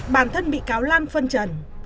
bản thân bị cáo lan phân trần